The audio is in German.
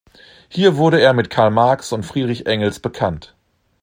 Hier wurde er mit Karl Marx und Friedrich Engels bekannt.